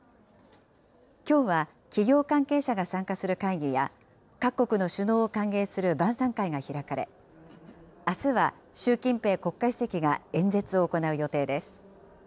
きょうは企業関係者が参加する会議や、各国の首脳を歓迎する晩さん会が開かれ、あすは習近平国家主席が演説を行う予定です。